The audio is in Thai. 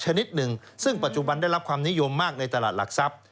ชนิดหนึ่งซึ่งปัจจุบันได้รับความนิยมมากในตลาดหลักทรัพย์